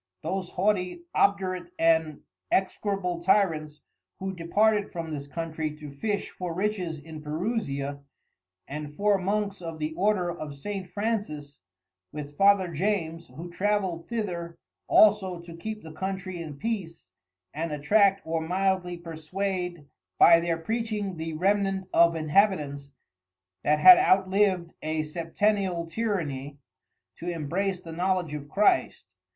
Those haughty obdurate and execrable Tyrants, who departed from this Countrey to Fish for Riches in Perusia, and four Monks of the Order of St. Francis, with Father James who Travelled thither also to keep the Countrey in Peace, and attract or mildly perswade by their Preaching the remnant of Inhabitants, that had outlived a septennial Tyranny, to embrace the knowledge of Christ.